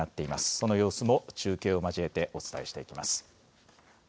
その様子も中継を交えてお伝えしていきます。